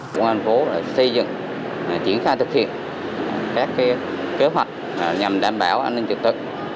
công an thành phố đã xây dựng triển khai thực hiện các kế hoạch nhằm đảm bảo an ninh trực tự